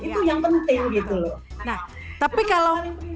itu yang penting gitu loh